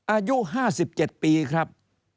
อายุ๕๗ปีครับ